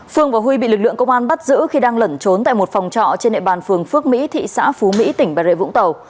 phương và huy bị lực lượng công an bắt giữ khi đang lẩn trốn tại một phòng trọ trên địa bàn phường phước mỹ thị xã phú mỹ tỉnh bà rịa vũng tàu